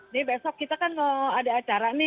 ini besok kita kan mau ada acara nih